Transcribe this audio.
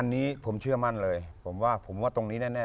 อันนี้ผมเชื่อมั่นเลยผมว่าผมว่าตรงนี้แน่